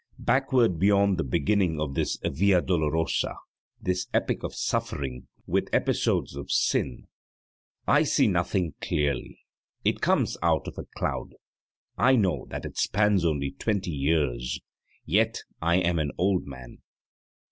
Backward beyond the beginning of this via dolorosa this epic of suffering with episodes of sin I see nothing clearly; it comes out of a cloud. I know that it spans only twenty years, yet I am an old man.